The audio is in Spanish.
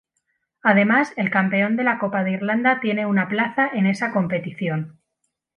Además, el campeón de la Copa de Irlanda tiene una plaza en esa competición.